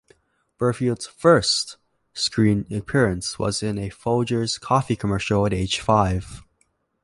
Berfield's first screen appearance was in a Folgers coffee commercial at age five.